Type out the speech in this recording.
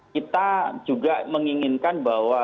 kita juga menginginkan bahwa